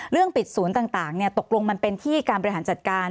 ปิดศูนย์ต่างตกลงมันเป็นที่การบริหารจัดการ